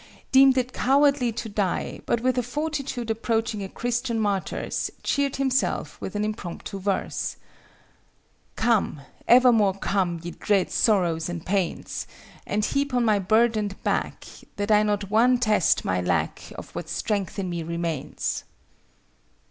—deemed it cowardly to die, but with a fortitude approaching a Christian martyr's, cheered himself with an impromptu verse: "Come! evermore come, Ye dread sorrows and pains! And heap on my burden'd back; That I not one test may lack Of what strength in me remains!"